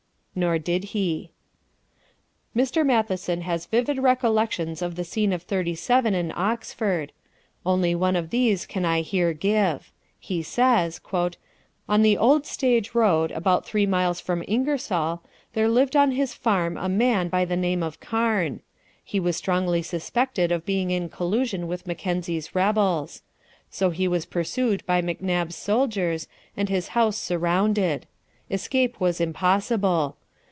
Nor did he. Mr. Matheson has vivid recollections of the scenes of '37 in Oxford. Only one of these can I here give. He says: "On the old stage road, about three miles from Ingersoll, there lived on his farm a man by the name of Karn. He was strongly suspected of being in collusion with Mackenzie's rebels. So he was pursued by McNab's soldiers, and his house surrounded. Escape was impossible.